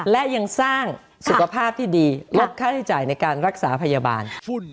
และยังสร้างสุขภาพที่ดีลดค่าใช้จ่ายในการรักษาพยาบาล